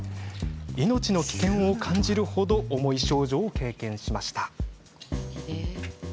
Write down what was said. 命の危険を感じる程重い症状を経験しました。